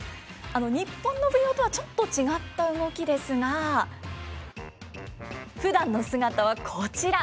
日本の舞踊とはちょっと違った動きですがふだんの姿はこちら。